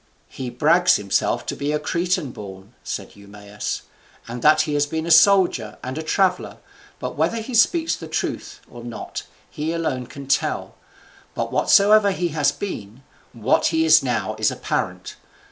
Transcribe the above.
"He brags himself to be a Cretan born," said Eumaeus, "and that he has been a soldier and a traveller, but whether he speak the truth or not he alone can tell. But whatsoever he has been, what he is now is apparent.